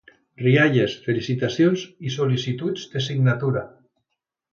Rialles, felicitacions i sol·licituds de signatura.